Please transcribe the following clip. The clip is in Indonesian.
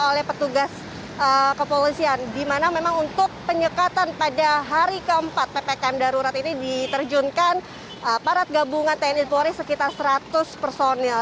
oleh petugas kepolisian di mana memang untuk penyekatan pada hari keempat ppkm darurat ini diterjunkan aparat gabungan tni polri sekitar seratus personil